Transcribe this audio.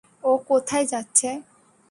ও কোথায় যাচ্ছে?